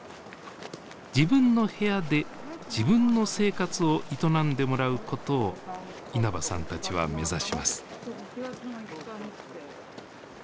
自分の部屋で自分の生活を営んでもらうことを稲葉さんたちは目指します。